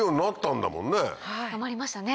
溜まりましたね。